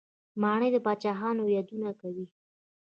ماڼۍ د پاچاهانو یادونه کوي.